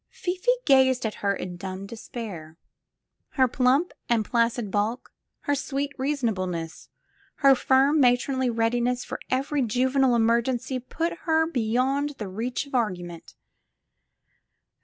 Fifi gazed at her in dumb despair. Her plump and placid bulk, her sweet reasonableness, her firm, matronly readiness for every juvenile emergency put her beyond the reach of argument.